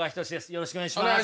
よろしくお願いします。